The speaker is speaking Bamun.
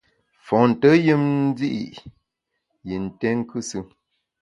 Fonte yùm ndi’ yi nté nkusù.